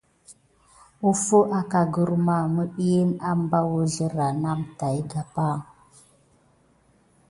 Fuŋ akà gərmà midikine nada ma gulfà iki pay na wuzlera tat.